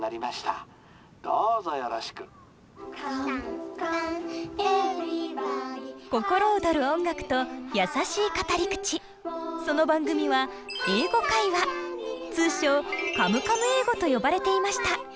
「Ｃｏｍｅｃｏｍｅｅｖｅｒｙｂｏｄｙ」心躍る音楽と優しい語り口その番組は「英語会話」通称カムカム英語と呼ばれていました。